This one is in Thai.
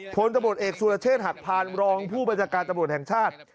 พลตำรวจเอกสุรเชษฐหักพานรองผู้บัญชาการตำรวจแห่งชาติ